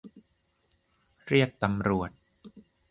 เรียกตำรวจ